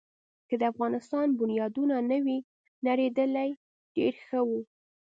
که د افغانستان بنیادونه نه وی نړېدلي، ډېر ښه وو.